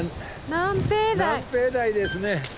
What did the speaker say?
南平台ですね。